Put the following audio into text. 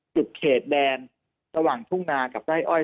จุดเขตแดนระหว่างทุ่งนากับไร่อ้อย